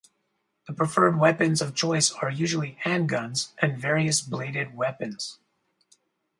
The preferred weapons of choice are usually handguns, and various bladed weapons.